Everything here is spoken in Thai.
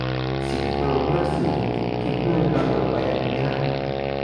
สิงคโปร์ เมื่อสื่อถูกคุมเข้มด้วยระบบใบอนุญาต